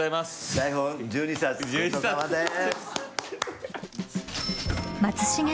台本１２冊ごちそうさまです。